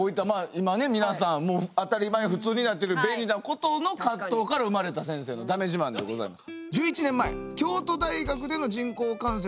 今ね皆さんもう当たり前普通になってる便利なことの葛藤から生まれた先生のだめ自慢でございます。